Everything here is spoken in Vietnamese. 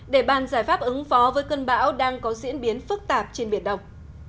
để ban giải pháp ứng phó với cơn bão đang có diễn biến phức tạp trên biển đồng